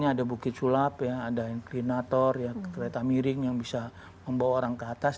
kemarin ada bukit sulap kota ada bukit sulap kota ada inklinator kereta miring yang bisa membawa orang ke atas